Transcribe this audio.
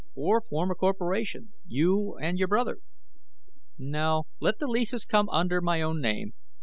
Or form a corporation, you and your brother." "No. Let the leases come under my own name.